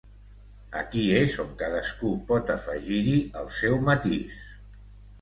Aquí és on cadascú pot afegir-hi el seu matís.